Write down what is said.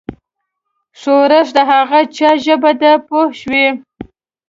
ښورښ د هغه چا ژبه ده پوه شوې!.